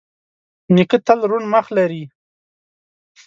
نیکه تل روڼ مخ لري.